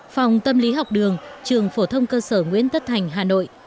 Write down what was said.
phòng tâm lý học đường trường phổ thông cơ sở nguyễn tất thành hà nội